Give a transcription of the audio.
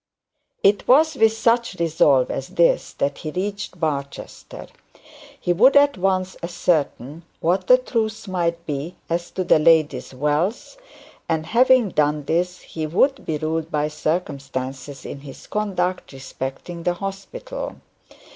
It was with such resolve as this that he reached Barchester. He would at once ascertain what the truth might be as to the lady's wealth, and having done this, he would be ruled by circumstances in his conduct respecting the hospital.